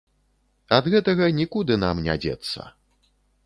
Ад гэтага нікуды нам не дзецца.